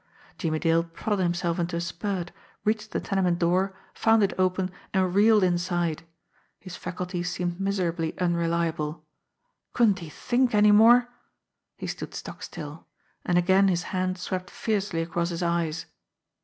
Jimmie Dale prodded himself into a spurt, reached the tenement door, found it open, and reeled inside. His fac ulties seemed miserably unreliable. Couldn't he think any more ! He stood stock still, and again his hand swept fiercely across his eyes.